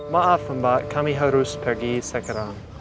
maaf mbak kami harus pergi sekarang